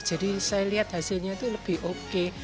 jadi saya lihat hasilnya itu lebih oke